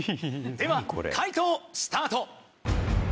では解答スタート！